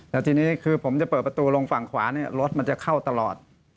แล้วทีนี้คือผมจะเปิดประตูลงฝั่งขวาเนี่ยรถมันจะเข้าตลอด